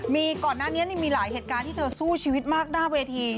มีก่อนหน้านี้มีหลายเหตุการณ์ที่เธอสู้ชีวิตมากหน้าเวที